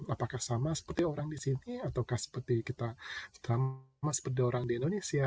apakah sama seperti orang di sini ataukah seperti kita sama seperti orang di indonesia